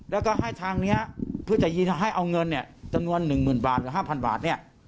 แล้วก็ให้ทางนี้เพื่อให้เอาเงินตำนวน๑หมื่นบาทหรือ๕๐๐๐บาท